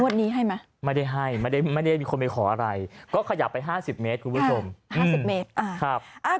อันนี้ให้ไหมไม่ได้ให้ไม่ได้ไม่ได้มีคนไปขออะไรก็ขยับไปห้าสิบเมตรคุณผู้ชมห้าสิบเมตรอ่าครับ